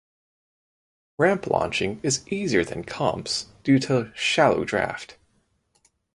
Ramp launching is easier than comps due to shallow draft.